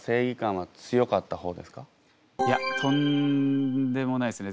いやとんでもないですね。